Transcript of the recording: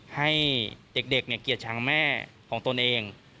ให้เด็กเกลียดชังแม่ของตนเอง